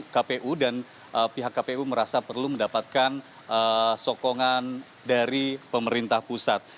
kpu dan pihak kpu merasa perlu mendapatkan sokongan dari pemerintah pusat